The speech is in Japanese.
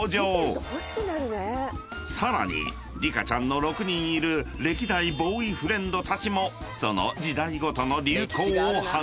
［さらにリカちゃんの６人いる歴代ボーイフレンドたちもその時代ごとの流行を反映］